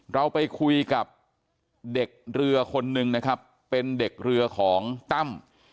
เราไปคุยกับเด็กเรือคนนึงนะครับเป็นเด็กเรือของตั้ม